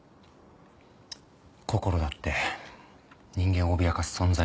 こころだって人間を脅かす存在なんです。